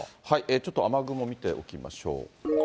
ちょっと雨雲見ておきましょう。